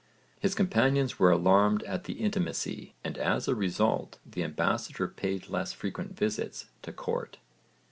His companions were alarmed at the intimacy and as a result the ambassador paid less frequent visits to court.